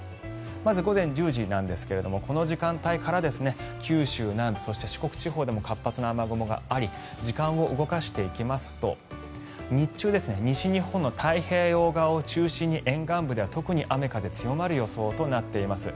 まず、午前１０時なんですがこの時間帯から九州南部、四国地方でも活発な雨雲があり時間を動かしていきますと日中、西日本の太平洋側を中心に沿岸部では特に雨、風強まる予想となっています。